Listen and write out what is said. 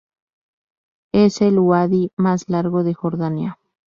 Es el uadi más largo de Jordania.